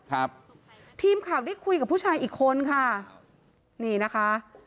ครับทีมข่าวได้คุยกับผู้ชายอีกคนค่ะนี่นะคะ